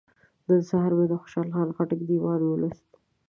نن سهار مې د خوشحال خان خټک دیوان ولوست.